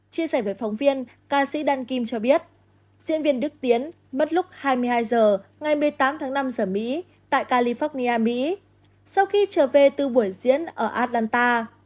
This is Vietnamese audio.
chia sẻ với phóng viên ca sĩ đan kim cho biết diễn viên đức tiến mất lúc hai mươi hai h ngày một mươi tám tháng năm giờ mỹ tại california mỹ sau khi trở về từ buổi diễn ở atlanta